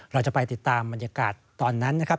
เราจะไปติดตามบรรยากาศตอนนั้นนะครับ